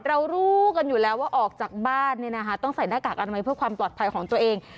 รู้กันอยู่แล้วว่าออกจากบ้านเนี่ยนะคะต้องใส่หน้ากากอนามัยเพื่อความปลอดภัยของตัวเอง